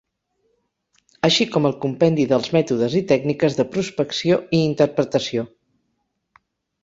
Així com el compendi dels mètodes i tècniques de prospecció i interpretació.